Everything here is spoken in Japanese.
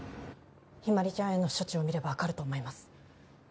日葵ちゃんへの処置を見れば分かると思います